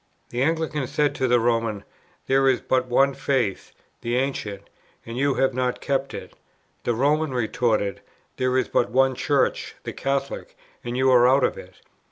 The Anglican said to the Roman: "There is but One Faith, the Ancient, and you have not kept to it;" the Roman retorted: "There is but One Church, the Catholic, and you are out of it."